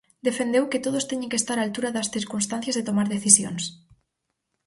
Defendeu que "todos teñen que estar á altura das circunstancias e tomar decisións".